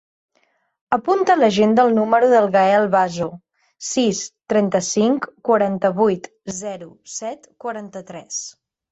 Apunta a l'agenda el número del Gael Bazo: sis, trenta-cinc, quaranta-vuit, zero, set, quaranta-tres.